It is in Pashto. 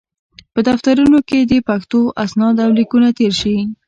په دفترونو کې دې پښتو اسناد او لیکونه تېر شي.